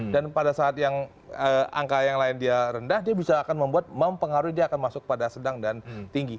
dan pada saat yang angka yang lain dia rendah dia bisa akan membuat mempengaruhi dia akan masuk pada sedang dan tinggi